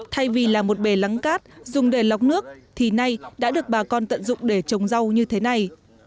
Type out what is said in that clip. thay vì là một bề lắng cát dùng để lọc nước thì nay đã được bà con tận dụng để trồng rau như thế này